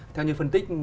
theo như phân tích